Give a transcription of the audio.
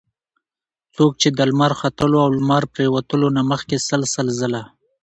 څوک چې د لمر ختلو او لمر پرېوتلو نه مخکي سل سل ځله